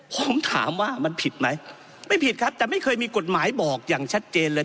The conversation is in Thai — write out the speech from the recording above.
ผมถามว่ามันผิดไหมไม่ผิดครับแต่ไม่เคยมีกฎหมายบอกอย่างชัดเจนเลย